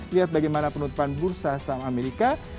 lihat bagaimana penutupan bursa saham amerika